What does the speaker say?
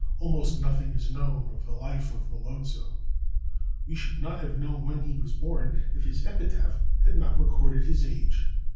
Almost nothing is known of the life of Melozzo. We should not have known when he was born if his epitaph had not recorded his age.